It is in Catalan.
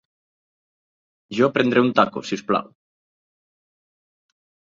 Jo prendré un taco, si us plau.